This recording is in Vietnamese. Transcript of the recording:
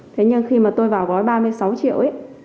thế nhưng khi mà tôi vào gói ba mươi sáu triệu ấy